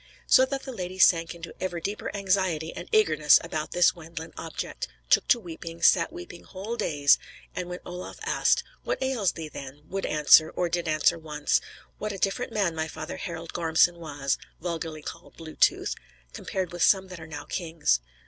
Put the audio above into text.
So that the lady sank into ever deeper anxiety and eagerness about this Wendland object; took to weeping; sat weeping whole days; and when Olaf asked, "What ails thee, then?" would answer, or did answer once, "What a different man my father Harald Gormson was" (vulgarly called Blue tooth), "compared with some that are now kings!